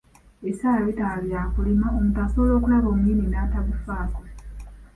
Ebiseera bwe bitaba bya kulima, omuntu asobola okulaba omuyini n’atagufaako.